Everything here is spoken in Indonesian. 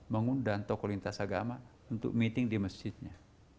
mengundang tokoh lintas agama untuk meeting di masjidnya